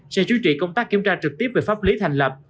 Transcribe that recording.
sẽ chú trị công tác kiểm tra trực tiếp về pháp lý thành lập